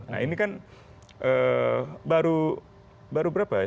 nah ini kan baru berapa ya